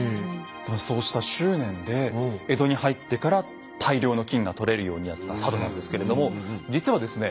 そうした執念で江戸に入ってから大量の金が採れるようになった佐渡なんですけれども実はですね